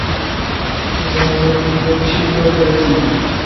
সে বন্ধন আমি ছিন্ন করেছি।